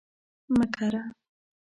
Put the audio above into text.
مه کره